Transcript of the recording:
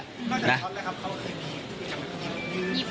ก็จากเธอนะครับเขาก็